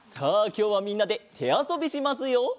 きょうはみんなでてあそびしますよ！